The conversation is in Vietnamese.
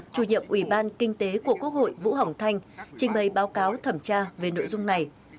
chủ nhiệm ủy ban kinh tế của quốc hội vũ hồng thanh trình bày báo cáo thẩm tra về nội dung này